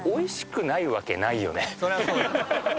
「そりゃそうよ」